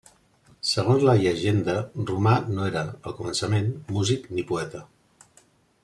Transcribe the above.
Segons la llegenda, Romà no era, al començament, músic ni poeta.